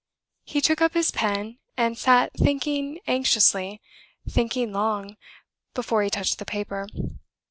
He took up his pen, and sat thinking anxiously, thinking long, before he touched the paper.